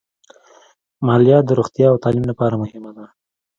مالیه د روغتیا او تعلیم لپاره مهمه ده.